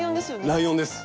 ライオンです。